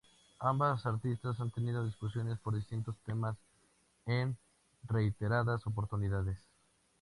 Ambas artistas han tenido discusiones por distintos temas en reiteradas oportunidades.